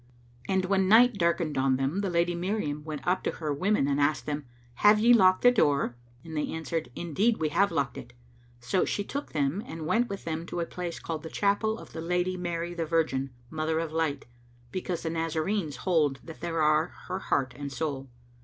'" And when night darkened on them the Lady Miriam went up to her women and asked them, "Have ye locked the door?"; and they answered, "Indeed we have locked it." So she took them and went with them to a place called the Chapel of the Lady Mary the Virgin, Mother of Light, because the Nazarenes hold that there are her heart and soul.